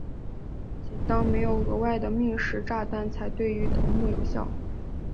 仅当没有额外的命时炸弹才对于头目有效。